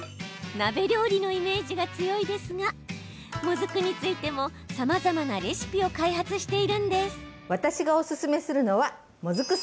鍋料理のイメージが強いですがもずくについても、さまざまなレシピを開発しているんです。